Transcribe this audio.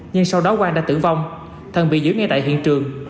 nhưng sau đó quang đã tử vong thần bị giữ ngay tại hiện trường